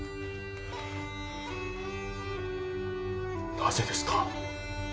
なぜですか？